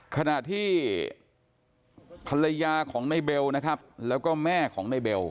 ขณะที่ภรรยาของในเบลนะครับแล้วก็แม่ของในเบล